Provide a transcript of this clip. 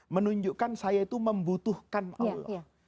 menunjukkan saya itu membutuhkan allah